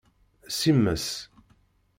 Simes.